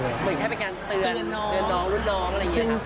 เหมือนแค่เป็นการเตือนน้องรุ่นน้องอะไรอย่างนี้ครับ